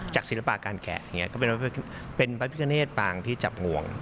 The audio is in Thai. จากศิลปาการแกะเป็นพระพิการเนธบางที่จับห่วง